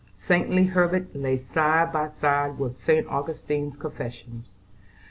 Saintly Herbert lay side by side with Saint Augustine's confessions.